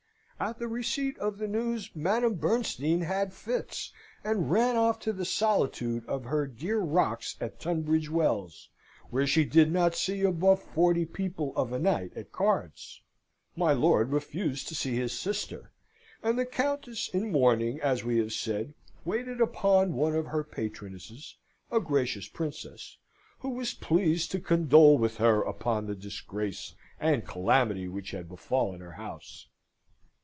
At the receipt of the news Madame Bernstein had fits and ran off to the solitude of her dear rocks at Tunbridge Wells, where she did not see above forty people of a night at cards. My lord refused to see his sister; and the Countess in mourning, as we have said, waited upon one of her patronesses, a gracious Princess, who was pleased to condole with her upon the disgrace and calamity which had befallen her house.